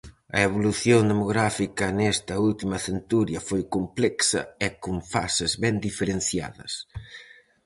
A evolución demográfica nesta última centuria foi complexa e con fases ben diferenciadas.